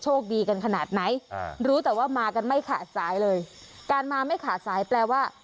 ดีกันขนาดไหนรู้แต่ว่ามากันไม่ขาดสายเลยการมาไม่ขาดสายแปลว่า